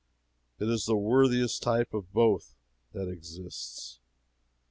It is the worthiest type of both that exists.